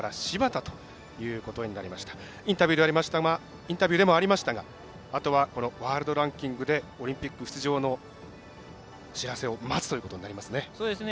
インタビューでもありましたがあとはワールドランキングでオリンピック出場の知らせを待つということになりますね。